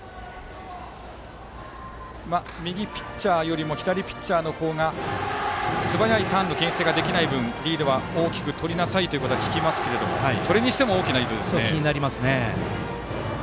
右ピッチャーよりも左ピッチャーの方がすばやいターンのけん制ができない分リードは大きくとりなさいということは聞きますが気になりますね。